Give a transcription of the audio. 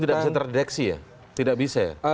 tidak bisa terdeteksi ya tidak bisa ya